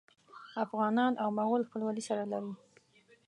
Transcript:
افغانان او مغول خپلوي سره لري.